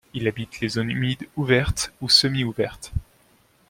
Il habite les zones humides ouvertes ou semi-ouvertes.